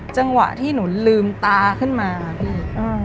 จังหวะที่หนูลืมตาขึ้นมาพี่